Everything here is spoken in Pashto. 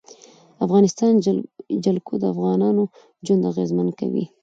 د افغانستان جلکو د افغانانو ژوند اغېزمن کوي.